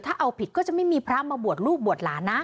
ถ้าเอาผิดก็จะไม่มีพระมาบวชลูกบวชหลานนะ